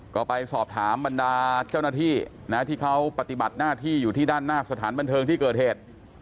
ก็ไปสอบถามบรรดาเจ้าหน้าที่นะที่เขาปฏิบัติหน้าที่อยู่ที่ด้านหน้าสถานบันเทิงที่เกิดเหตุ